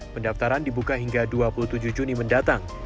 pendaftaran dibuka hingga dua puluh tujuh juni mendatang